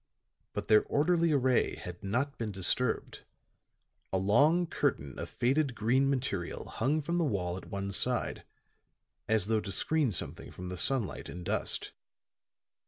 But their orderly array had not been disturbed. A long curtain of faded green material hung from the wall at one side, as though to screen something from the sunlight and dust.